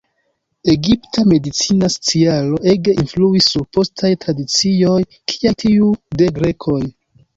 Egipta medicina sciaro ege influis sur postaj tradicioj, kiaj tiu de grekoj.